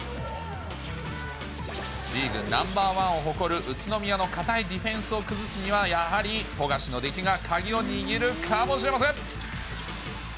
リーグナンバー１を誇る宇都宮の堅いディフェンスを崩すには、やはり富樫の出来が鍵を握るかもしれません。